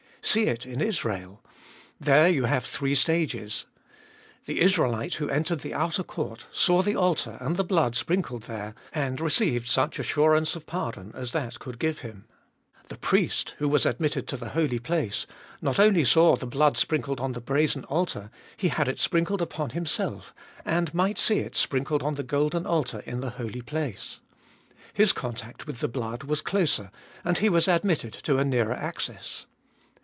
See it in Israel. There you have three stages. The Israelite who entered the outer court saw the altar and the blood sprinkled there, and received such assurance of pardon as that could give him. The priest who was admitted to the Holy Place not only saw the blood sprinkled on the brazen altar, he had it sprinkled upon himself, and might see it sprinkled on the golden altar in the Holy Place. His contact with the blood was closer, and he was admitted to a nearer access.